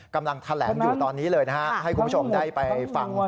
กำลังแถลงอยู่ตอนนี้เลยนะฮะให้คุณผู้ชมได้ไปฟัง